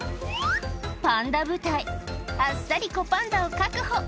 パンダ部隊、あっさり子パンダを確保。